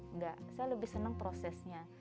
enggak saya lebih senang prosesnya